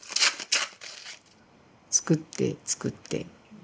作って作って。